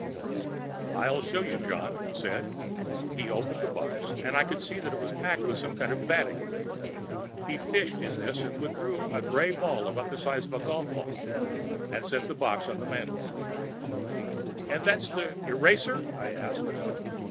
"I'll show you, John," he said. He opened the box and I could see that it was packed with some kind of batting. He fished in this and withdrew a gray ball about the size of a golfball and set the box on the mantel. "And that's the eraser?" I asked.